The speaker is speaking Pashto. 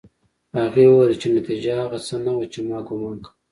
هغې وویل چې نتيجه هغه څه نه وه چې ما ګومان کاوه